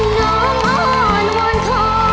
น้องอ่อนหว่อนขอ